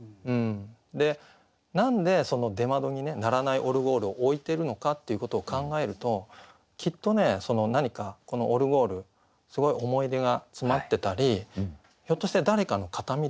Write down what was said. で何で出窓にねならないオルゴールを置いてるのかっていうことを考えるときっとね何かこのオルゴールすごい思い出が詰まってたりひょっとして誰かの形見であったり。